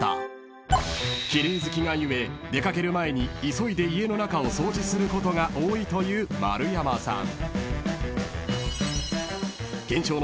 ［奇麗好きが故出掛ける前に急いで家の中を掃除することが多いという丸山さん］